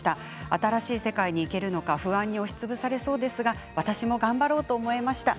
新しい世界に行けるのか不安に押しつぶされそうですが私も頑張ろうと思いました。